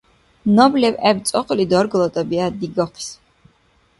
Наб лебгӀеб цӀакьли даргала тӀабигӀят дигахъис